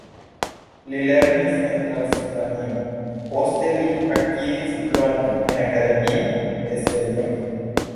Li lernis en Transilvanio, poste li akiris diplomon en Akademio de Selmec.